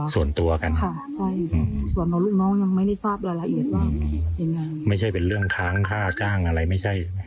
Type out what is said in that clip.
ส่วนตัวกันค่ะใช่ส่วนตัวลูกน้องยังไม่ได้ทราบรายละเอียดว่ายังไงไม่ใช่เป็นเรื่องค้างค่าจ้างอะไรไม่ใช่